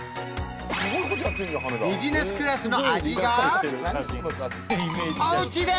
ビジネスクラスの味がお家で！